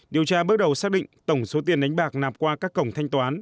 điều tra bước đầu xác định tổng số tiền đánh bạc nạp qua các cổng thanh toán